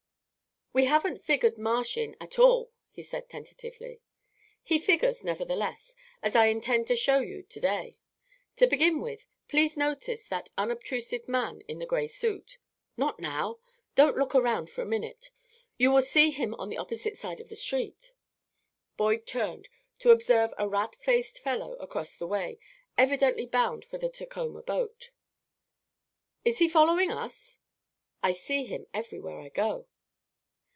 "We haven't figured Marsh in at all," he said, tentatively. "He figures, nevertheless, as I intend to show you to day. To begin with, please notice that unobtrusive man in the gray suit not now! Don't look around for a minute. You will see him on the opposite side of the street." Boyd turned, to observe a rat faced fellow across the way, evidently bound for the Tacoma boat. "Is he following us?" "I see him, everywhere I go."